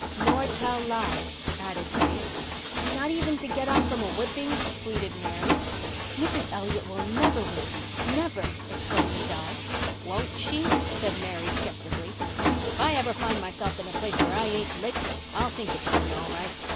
"Nor tell lies," added Faith. "Not even to get off from a whipping?" pleaded Mary. "Mrs. Elliott will never whip you—never," exclaimed Di. "Won't she?" said Mary skeptically. "If I ever find myself in a place where I ain't licked I'll think it's heaven all right.